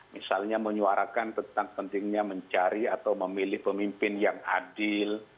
misalnya menyuarakan tentang pentingnya mencari atau memilih pemimpin yang adil